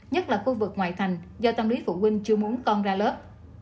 nhất là khu vực ngoại thành do tâm lý phụ huynh chưa muốn con ra lớp